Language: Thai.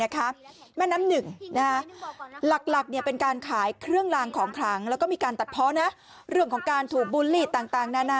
การตัดเพาะนะเรื่องของการถูกบูลลี่ต่างนานา